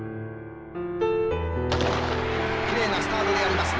きれいなスタートであります。